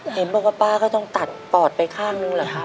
เห็นบอกว่าป้าก็ต้องตัดปอดไปข้างนึงเหรอครับ